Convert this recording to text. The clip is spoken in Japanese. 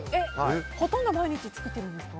ほとんど毎日作ってるんですか。